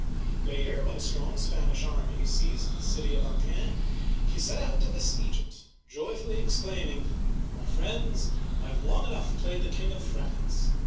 Later, when a strong Spanish army seized the city of Amiens (a myaN'), he set out to besiege it, joyfully exclaim ing :My friends, I have long enough played the King of France.